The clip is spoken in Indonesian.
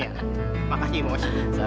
iya makanya gua cerdas